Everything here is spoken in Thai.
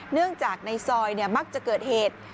เนื่องจากในซอยมักจะเกิดเหตุ